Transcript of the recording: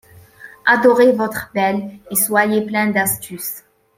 Adorez votre belle, et soyez plein d’astuce ;